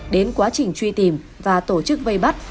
đến quá trình truy tìm và tổ chức vây bắt